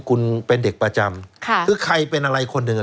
คุณเป็นเด็กประจำค่ะคือใครเป็นอะไรคนหนึ่งอ่ะ